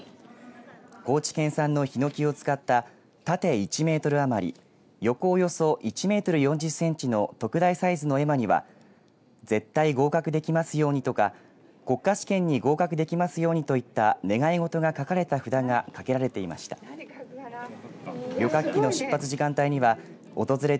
高知県産のひのきを使った縦１メートル余り横およそ１メートル４０センチの特大サイズの絵馬には絶対合格できますようにとか国家試験に合格できますようにといった願い事が書かれた札がかけられていました。